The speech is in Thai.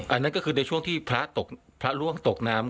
อันนั้นก็คือในช่วงที่พระร่วงตกน้ำ